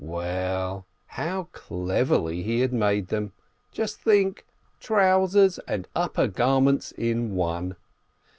How well, how cleverly he had made them ! Just think : trousers and upper garment in one!